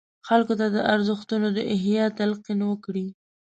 خلکو ته د ارزښتونو د احیا تلقین ورکړي.